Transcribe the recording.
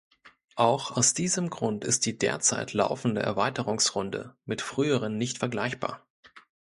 Auch aus diesem Grund ist die derzeit laufende Erweiterungsrunde mit früheren nicht vergleichbar.